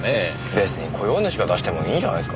別に雇用主が出してもいいんじゃないっすか？